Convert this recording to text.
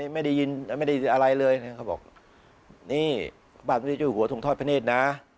ไม่ได้ยินไม่ได้อะไรเลยเขาบอกนี่บ้านพระเจ้าหัวทรงทอดพระเนธนะ